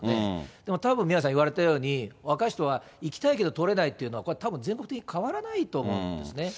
でもたぶん、宮根さん言われたように、若い人は行きたいけど取れないっていうのは、これはたぶん全国的に変わらないと思うんですね。